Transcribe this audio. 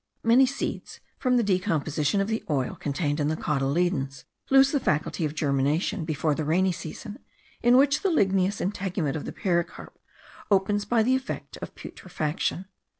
Many seeds, from the decomposition of the oil contained in the cotyledons, lose the faculty of germination before the rainy season, in which the ligneous integument of the pericarp opens by the effect of putrefaction.